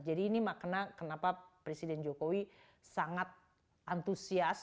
jadi ini makna kenapa presiden jokowi sangat antusias